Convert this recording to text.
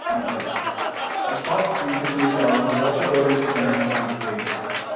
As pop music moved on, the Walker Brothers began to sound dated.